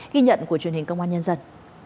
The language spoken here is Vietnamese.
ghi nhận của truyền hình công an nhân dân